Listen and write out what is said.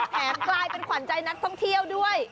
กลายเป็นขวัญใจนักท่องเที่ยวด้วย